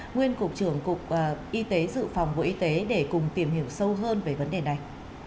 nguyên cục trưởng cục y tế dự phòng bộ y tế để cùng tìm hiểu sâu hơn về vấn đề này